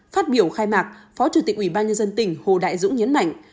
phát biểu khai mạc phó chủ tịch ủy ban nhân dân tỉnh hồ đại dũng nhấn mạnh